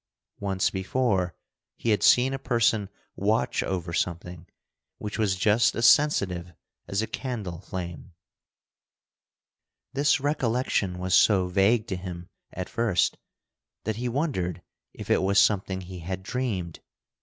Once before he had seen a person watch over something which was just as sensitive as a candle flame. This recollection was so vague to him at first that he wondered if it was something he had dreamed.